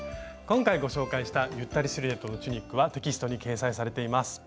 今回ご紹介した「ゆったりシルエットのチュニック」はテキストに掲載されています。